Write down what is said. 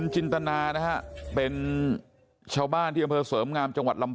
พวกมันกลับมาเมื่อเวลาที่สุดพวกมันกลับมาเมื่อเวลาที่สุด